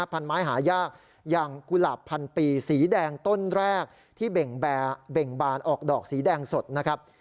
พันไม้หายากอย่างกุหลาบพันปีสีแดงต้นแรกที่เบ่งบานออกดอกสีแดงสดนะครับ